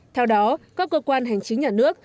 theo đó các cơ quan hành chính nhà nước